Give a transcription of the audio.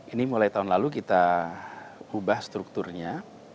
ini mulai tahun lalu kita ubah strukturnya